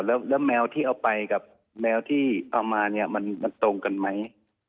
แล้วแมวที่เอาไปกับแมวที่เอามาเนี่ยมันตรงกันไหม